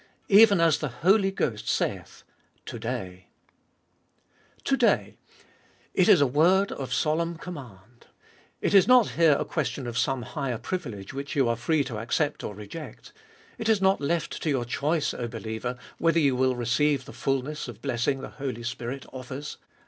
Even as the Holy Ghost saith, To day. iboiiest or ail 125 To day ! it is a word of solemn command. It is not here a question of some higher privilege which you are free to accept or reject. It is not left to your choice, O believer, whether you will receive the fulness of blessing the Holy Spirit offers.